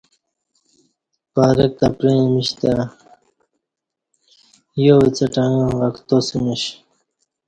پارک تہ پیعی میش تہ یووڅہ ٹݣہ ٹکٹ وکتاسمیش